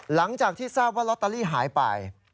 หลังจากที่ทราบว่าลอตเตอรี่หายไป